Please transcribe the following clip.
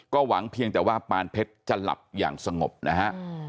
หวังเพียงแต่ว่าปานเพชรจะหลับอย่างสงบนะฮะ